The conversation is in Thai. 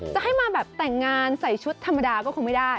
จะให้มาแบบแต่งงานใส่ชุดธรรมดาก็คงไม่ได้